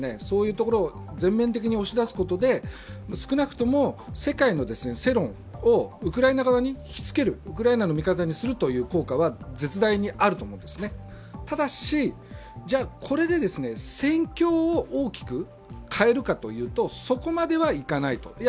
そういうところを全面的に押し出すことで少なくとも世界の世論をウクライナ側に引きつける、ウクライナの味方にするという効果は絶大にあると思うんですねただし、じゃあ、これで戦況を大きく変えるかというとそこまではいかないと。